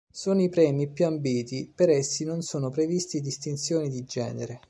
Sono i premi più ambiti, per essi non sono previsti distinzioni di genere.